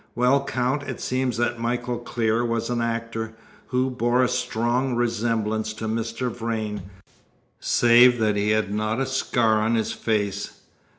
Well, Count, it seems that Michael Clear was an actor, who bore a strong resemblance to Mr. Vrain, save that he had not a scar on his face.